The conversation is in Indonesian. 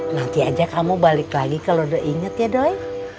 nanti aja kamu balik lagi kalau udah inget ya doy